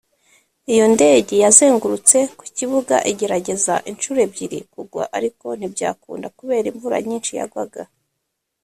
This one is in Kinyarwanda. Iyo ndege yazengurutse ku kibuga igerageza inshuro ebyiri kugwa ariko ntibyakunda kubera imvura nyinshi yagwaga